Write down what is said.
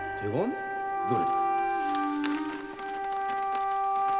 どれ。